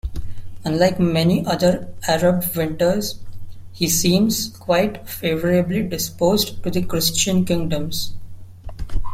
Unlike many other Arab writers, he seems quite favourably disposed to the Christian kingdoms.